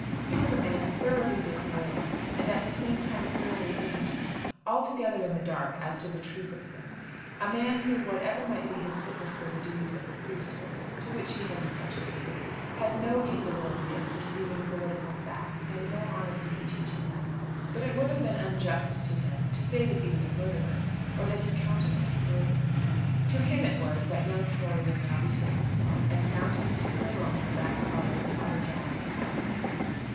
He was a man thoroughly disloyal, and at the same time thoroughly ignorant, altogether in the dark as to the truth of things, a man who, whatever might be his fitness for the duties of the priesthood, to which he had been educated, had no capability of perceiving political facts, and no honesty in teaching them. But it would have been unjust to him to say that he was a murderer, or that he countenanced murder. To him it was that young Florian now betook himself, and found him seated alone in the back parlour in Father Giles's house.